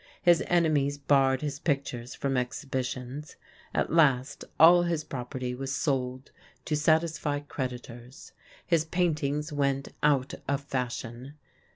His enemies barred his pictures from exhibitions. At last all his property was sold to satisfy creditors. His paintings went out of fashion.